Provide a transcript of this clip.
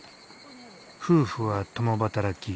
夫婦は共働き。